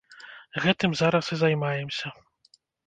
Гэтым зараз і займаемся.